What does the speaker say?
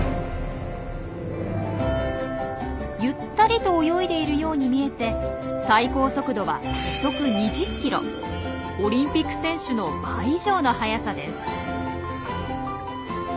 ゆったりと泳いでいるように見えて最高速度はオリンピック選手の倍以上の速さです。